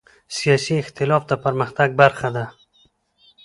سیاسي اختلاف د پرمختګ برخه ده